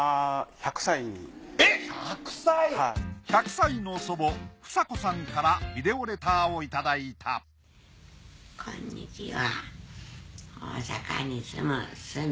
１００歳の祖母房子さんからビデオレターを頂いたこんにちは。